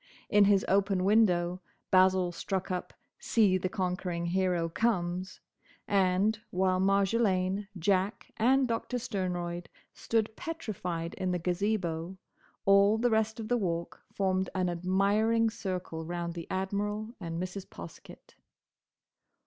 In his open window Basil struck up "See the Conquering Hero Comes," and, while Marjolaine, Jack and Doctor Sternroyd stood petrified in the Gazebo, all the rest of the Walk formed an admiring circle round the Admiral and Mrs. Poskett.